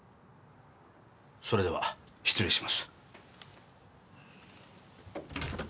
それでは失礼します。